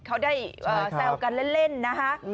เขาได้แซวกันเล่นนะคะ